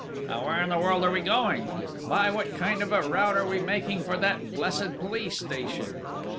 "Now where in the world are we going?... By what kind of a route are we making for that blessed police station?"